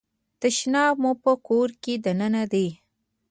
تشناب مو په کور کې دننه دی؟